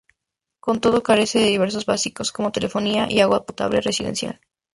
Con todo, carece de servicios básicos, como telefonía y agua potable residencial.